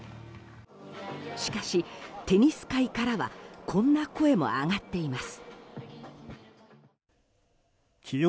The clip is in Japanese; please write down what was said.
しかし、テニス界からはこんな声も上がっています。